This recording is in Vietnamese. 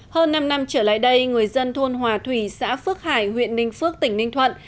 hơn năm năm trở lại đây người dân thôn hòa thủy xã phước hải huyện ninh phước tỉnh ninh thuận